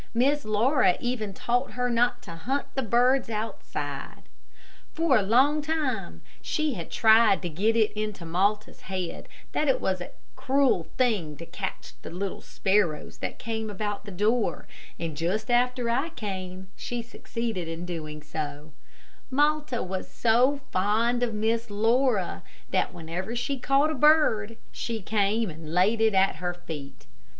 Miss Laura even taught her not to hunt the birds outside. For a long time she had tried to get it into Malta's head that it was cruel to catch the little sparrows that came about the door, and just after I came, she succeeded in doing so, Malta was so fond of Miss Laura, that whenever she caught a bird, she came and laid it at her feet.